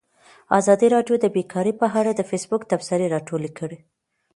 ازادي راډیو د بیکاري په اړه د فیسبوک تبصرې راټولې کړي.